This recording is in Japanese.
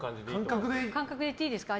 感覚でいっていいですか。